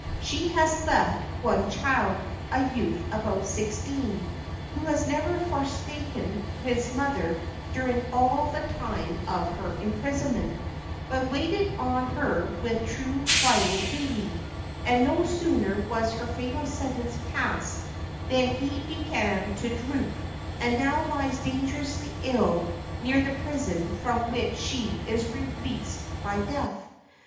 She has left one child, a youth about sixteen, who has never forsaken his mother during all the time of her imprisonment, but waited on her with true filial duty; and no sooner was her fatal sentence passed than he began to droop, and now lies dangerously ill near the prison from which she is released by death.